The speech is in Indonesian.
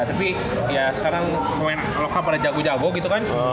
tapi ya sekarang lumayan lokal pada jago jago gitu kan